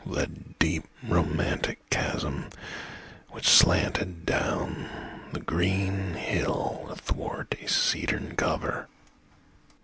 that deep romantic chasm which slantedDown the green hill athwart a cedarn cover!